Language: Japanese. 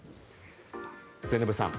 末延さん